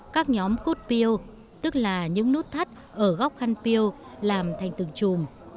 các nhóm cốt piêu tức là những nút thắt ở góc khăn piêu làm thành từng chùm